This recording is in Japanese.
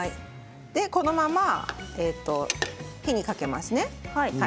このまま火にかけますね。